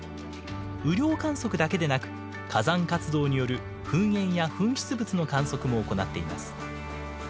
雨量観測だけでなく火山活動による噴煙や噴出物の観測も行っています。